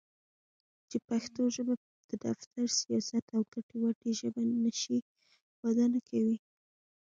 چې پښتو ژبه د دفتر٬ سياست او ګټې وټې ژبه نشي؛ وده نکوي.